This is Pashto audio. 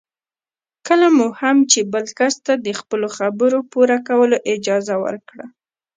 کله مو هم چې بل کس ته د خپلو خبرو پوره کولو اجازه ورکړه.